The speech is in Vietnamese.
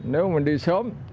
nếu mình đi sớm